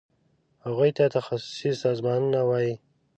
هغوی ته تخصصي سازمانونه وایي.